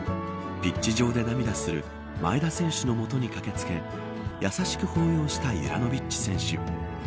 ピッチ上で涙する前田選手の元に駆け付け優しく抱擁したユラノヴィッチ選手。